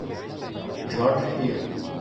George Hill